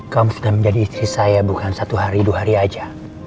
kaum sudah menjadi istri saya bukan satu hari dua hari aja